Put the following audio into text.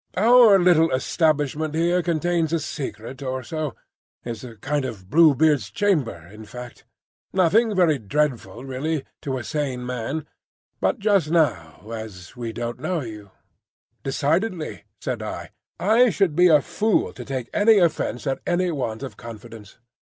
Our little establishment here contains a secret or so, is a kind of Blue Beard's chamber, in fact. Nothing very dreadful, really, to a sane man; but just now, as we don't know you—" "Decidedly," said I, "I should be a fool to take offence at any want of confidence."